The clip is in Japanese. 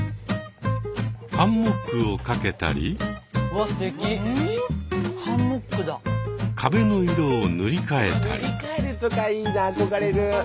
ハンモックをかけたり壁の色を塗り替えたり。